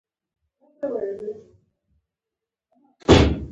له خاورو يې پورته کړه.